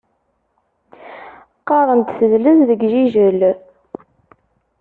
Qqaren-d tezlez deg Jijel.